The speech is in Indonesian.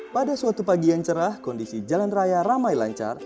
pada suatu pagi yang cerah kondisi jalan raya ramai lancar